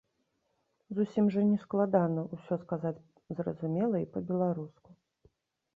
Зусім жа не складана ўсё сказаць зразумела і па-беларуску.